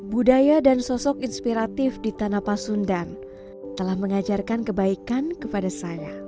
budaya dan sosok inspiratif di tanah pasundan telah mengajarkan kebaikan kepada saya